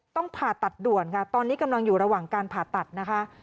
ผ่าตัดด่วนค่ะตอนนี้กำลังอยู่ระหว่างการผ่าตัดนะคะ